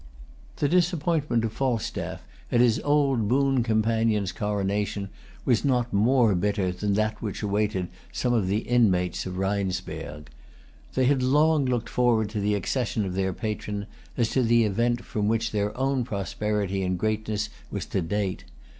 The disappointment of Falstaff at his old boon companion's coronation was not more bitter than that which awaited some of the inmates of Rheinsberg. They had long looked forward to the accession of their patron, as to the event from which their own prosperity and greatness was to date.